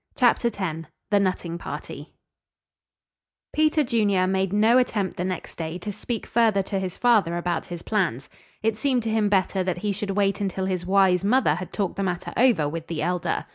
CHAPTER X THE NUTTING PARTY Peter Junior made no attempt the next day to speak further to his father about his plans. It seemed to him better that he should wait until his wise mother had talked the matter over with the Elder.